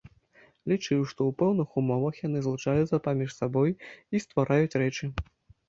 Лічыў, што ў пэўных умовах яны злучаюцца паміж сабой і ствараюць рэчы.